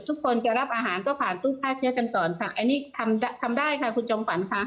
ทุกคนจะรับอาหารก็ผ่านตู้ฆ่าเชื้อกันก่อนค่ะอันนี้ทำทำได้ค่ะคุณจอมฝันค่ะ